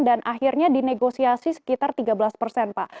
dan akhirnya dinegosiasi sekitar tiga belas persen pak